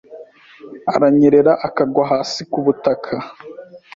aranyerera akagwa hasi kubutaka